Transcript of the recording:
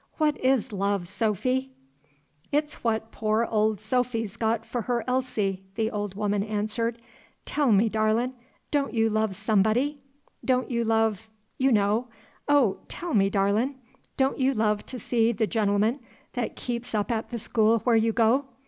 What is love, Sophy?" "It's what poor Ol' Sophy's got for her Elsie," the old woman answered. "Tell me, darlin', don' you love somebody? don' you love? you know, oh, tell me, darlin', don' you love to see the gen'l'man that keeps up at the school where you go?